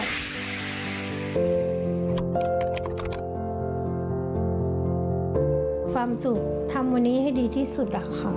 ความสุขทำวันนี้ให้ดีที่สุดล่ะค่ะ